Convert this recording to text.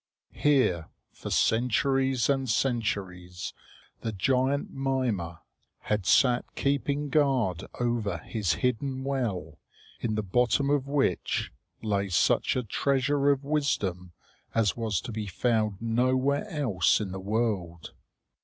Here for centuries and centuries the giant Mimer had sat keeping guard over his hidden well, in the bottom of which lay such a treasure of wisdom as was to be found nowhere else in the world.